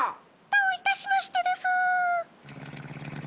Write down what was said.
どういたしましてでスー。